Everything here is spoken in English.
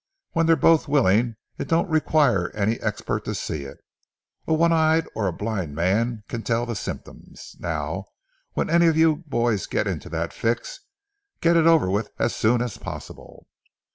When they're both willing, it don't require any expert to see it—a one eyed or a blind man can tell the symptoms. Now, when any of you boys get into that fix, get it over with as soon as possible."